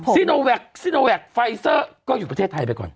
ซิโนแวคซิโนแวคไฟเซอร์ก็อยู่ประเทศไทยไปก่อน